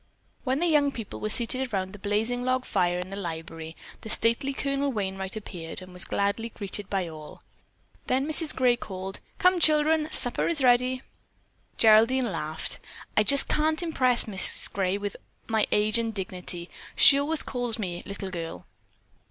When the young people were seated around the blazing log in the library, the stately Colonel Wainright appeared and was gladly greeted by all. Then Mrs. Gray called: "Come, children; supper is ready." Geraldine laughed. "I just can't impress Mrs. Gray with my age and dignity. She always will call me 'little girl.